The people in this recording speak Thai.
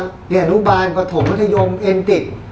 อัศวินธรรมวัฒนาปฐมวุฒิยงตรีมเอ็นติศ